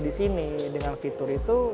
di sini dengan fitur itu